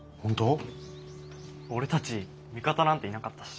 俺たち味方なんていなかったし。